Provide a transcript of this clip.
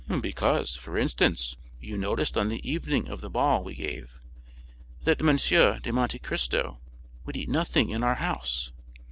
"Because, for instance, you noticed on the evening of the ball we gave, that M. de Monte Cristo would eat nothing in our house."